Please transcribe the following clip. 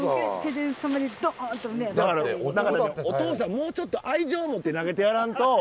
もうちょっと愛情持って投げてやらんと。